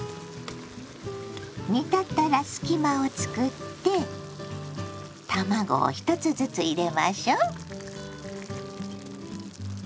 煮立ったら隙間をつくって卵を１つずつ入れましょう。